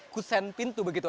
kusen pintu begitu